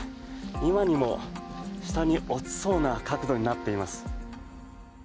今にも下に落ちそうな角度になっています。